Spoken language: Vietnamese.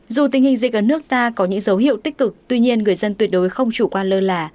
dù tình hình dịch ở nước ta có những dấu hiệu tích cực tuy nhiên người dân tuyệt đối không chủ quan lơ là